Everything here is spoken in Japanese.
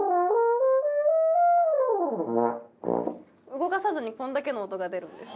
動かさずにこれだけの音が出るんです。